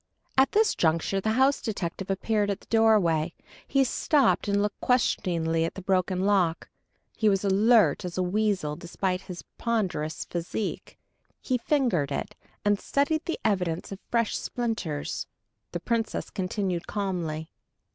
At this juncture the house detective appeared at the doorway. He stopped and looked questioningly at the broken lock. He was alert as a weasel despite his ponderous physique: he fingered it, and studied the evidence of fresh splinters. The Princess continued calmly.